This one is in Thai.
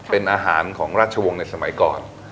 เป็นอาหารของราชวงศ์ในสมัยก่อน